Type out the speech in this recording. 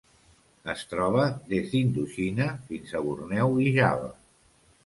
Es troba des d'Indoxina fins a Borneo i Java.